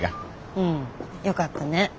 うんよかったね。